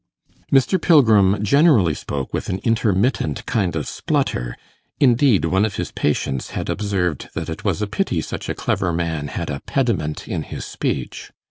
Mr. Pilgrim generally spoke with an intermittent kind of splutter; indeed, one of his patients had observed that it was a pity such a clever man had a 'pediment' in his speech.